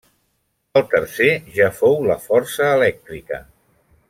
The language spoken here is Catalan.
El tercer ja fou la força elèctrica.